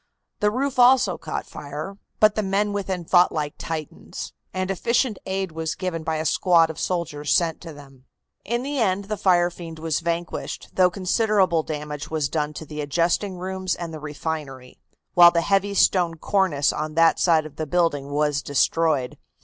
The roof also caught fire, but the men within fought like Titans, and efficient aid was given by a squad of soldiers sent to them. In the end the fire fiend was vanquished, though considerable damage was done to the adjusting rooms and the refinery, while the heavy stone cornice on that side of the building was destroyed.